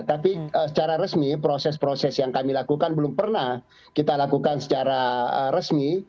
tapi secara resmi proses proses yang kami lakukan belum pernah kita lakukan secara resmi